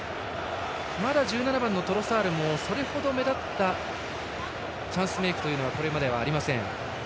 まだ１７番のトロサールもそれほど目立ったチャンスメークというのがこれまではありません。